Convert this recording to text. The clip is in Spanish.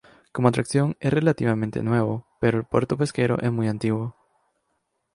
Como atracción es relativamente nuevo, pero el puerto pesquero es muy antiguo.